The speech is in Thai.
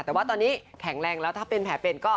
แต่ว่าตอนนี้แข็งแรงแล้วถ้าเป็นแผลเป็นก็